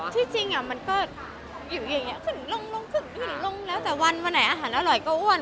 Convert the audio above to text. ที่จริงมันก็อยู่อย่างนี้ขึ้นลงขึ้นลงแล้วแต่วันวันไหนอาหารอร่อยก็อ้วน